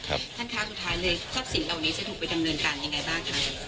ท่านคะสุดท้ายเลยทรัพย์สินเหล่านี้จะถูกไปดำเนินการยังไงบ้างคะ